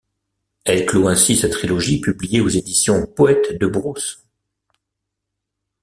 Elle clôt ainsi sa trilogie publiée aux éditions Poètes de brousse.